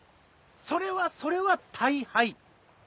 それはそれは大敗。